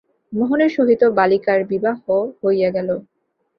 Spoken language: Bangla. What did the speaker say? মোহনের সহিত বালিকার বিবাহ হইয়া গেল।